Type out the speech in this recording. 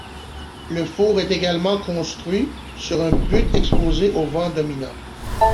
Le four est généralement construit sur une butte exposée aux vents dominants.